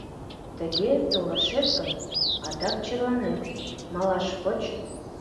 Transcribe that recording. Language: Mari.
— Тыге толашет гын, адак черланет, малаш воч.